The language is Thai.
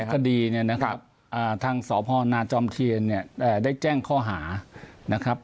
คดีเนี่ยนะครับทางสพนาจอมเทียนเนี่ยได้แจ้งข้อหานะครับ